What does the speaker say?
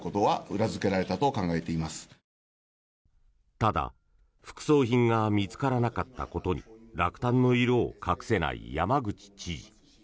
ただ副葬品が見つからなかったことに落胆の色を隠せない山口知事。